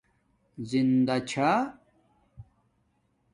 زندہ چھا